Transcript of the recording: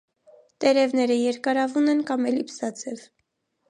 Տերևները երկարավուն են, կամ էլիպսաձև։